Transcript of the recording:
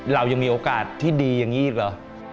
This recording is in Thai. เรายังมีโอกาสที่ดีอย่างนี้อีกเหรอ